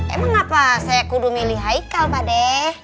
emang apa saya kudu milih haikal pak de